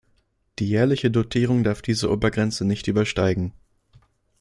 Die jährliche Dotierung darf diese Obergrenze nicht übersteigen.